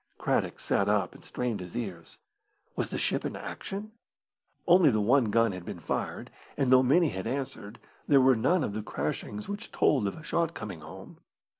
Craddock sat up and strained his ears. Was the ship in action? Only the one gun had been fired, and though many had answered, there were none of the crashings which told of a shot coming home.